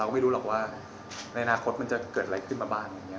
ก็ไม่รู้หรอกว่าในอนาคตมันจะเกิดอะไรขึ้นมาบ้าง